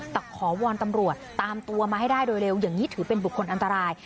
แต่ขอวอนตำรวจตามตัวมาให้ได้โดยเร็วอย่างนี้ถือเป็นบุคคลอันตราย